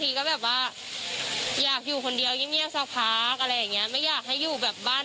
เนิร์สเป็นคนที่เก็บตังค์เก่งมากไม่ค่อยใช้อะไรแล้วก็ซื้อเอง